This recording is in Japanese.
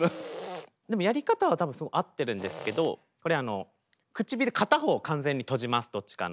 でもやり方はたぶん合ってるんですけどこれ唇片方を完全に閉じますどっちかのを。